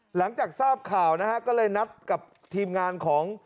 หลังจากทราบข่าวนะฮะก็เลยนัดกับทีมงานของ